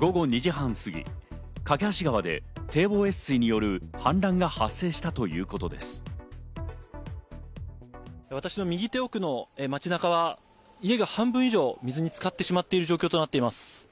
午後２時半過ぎ、梯川で堤防越水による氾濫が発生したということ私の右手奥の街中は家が半分以上、水に浸かってしまっている状況となっています。